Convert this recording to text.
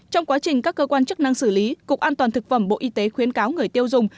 trong quá trình các cơ quan chức năng xử lý cục an toàn thực phẩm bộ y tế khuyến cáo người tiêu dùng